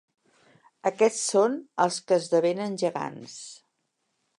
Aquests són els que esdevenen gegants.